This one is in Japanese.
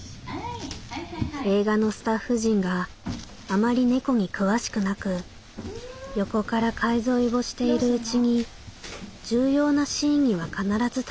映画のスタッフ陣があまり猫に詳しくなく横から介添えをしているうちに重要なシーンには必ず立ち会うようになった」。